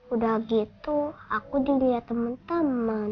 udah gitu aku dilihat teman teman